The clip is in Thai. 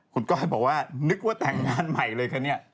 คุณก้อยบอกว่านึกว่าแต่งงานใหม่เลยคะเนี่ย